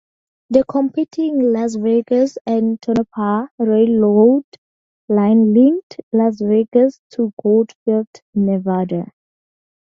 The competing Las Vegas and Tonopah Railroad line linked Las Vegas to Goldfield, Nevada.